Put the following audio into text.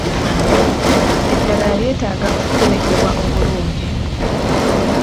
Eddagala lyeetaaga okuterekebwa obulungi.